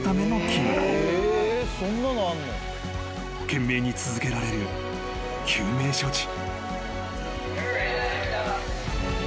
［懸命に続けられる救命処置］